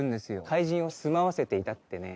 怪人を住まわせていたってね。